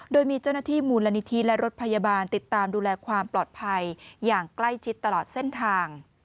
โดยมีเจ้าหน้าที่มูลนิธิและรถพยาบาลติดตามดูแลความปลอดภัยอย่างใกล้ชิดตลอดเส้นทาง